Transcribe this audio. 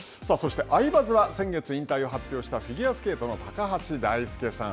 アイバズは、先月引退を発表したフィギュアスケートの高橋大輔さん。